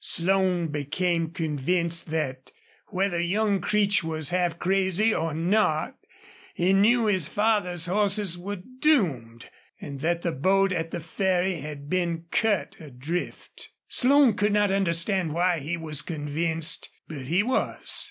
Slone became convinced that, whether young Creech was half crazy or not, he knew his father's horses were doomed, and that the boat at the ferry had been cut adrift. Slone could not understand why he was convinced, but he was.